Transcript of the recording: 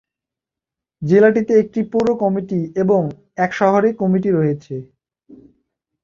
জেলাটিতে একটি পৌর কমিটি এবং এক শহরে কমিটি রয়েছে।